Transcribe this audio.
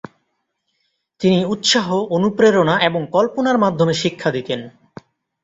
তিনি উৎসাহ, অনুপ্রেরণা এবং কল্পনার মাধ্যমে শিক্ষা দিতেন।